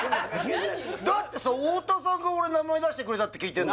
ってさ太田さんが俺名前出してくれたって聞いてんだよ